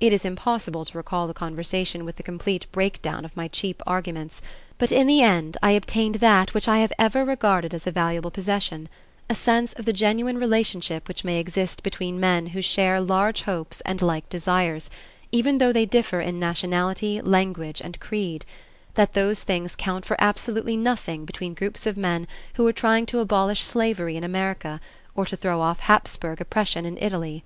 It is impossible to recall the conversation with the complete breakdown of my cheap arguments, but in the end I obtained that which I have ever regarded as a valuable possession, a sense of the genuine relationship which may exist between men who share large hopes and like desires, even though they differ in nationality, language, and creed; that those things count for absolutely nothing between groups of men who are trying to abolish slavery in America or to throw off Hapsburg oppression in Italy.